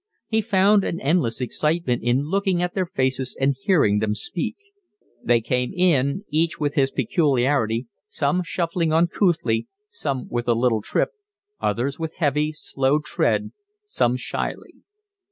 He found an endless excitement in looking at their faces and hearing them speak; they came in each with his peculiarity, some shuffling uncouthly, some with a little trip, others with heavy, slow tread, some shyly.